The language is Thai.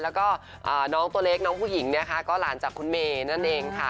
แล้วก็น้องตัวเล็กน้องผู้หญิงนะคะก็หลานจากคุณเมย์นั่นเองค่ะ